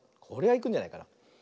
これはいくんじゃないかな。